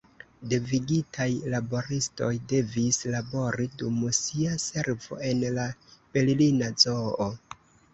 Devigitaj laboristoj devis labori dum lia servo en la Berlina Zoo.